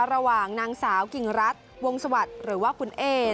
ระหว่างนางสาวกิ่งรัฐวงสวัสดิ์หรือว่าคุณเอ